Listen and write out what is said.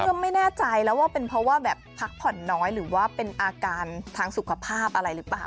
ก็ไม่แน่ใจแล้วว่าเป็นเพราะว่าแบบพักผ่อนน้อยหรือว่าเป็นอาการทางสุขภาพอะไรหรือเปล่า